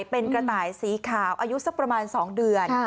เป็นกระต่ายสีขาวอายุสักประมาณ๒เดือน